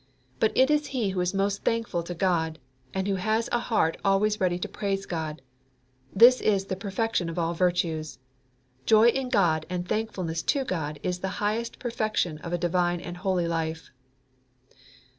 But it is he who is most thankful to God, and who has a heart always ready to praise God. This is the perfection of all virtues. Joy in God and thankfulness to God is the highest perfection of a divine and holy life."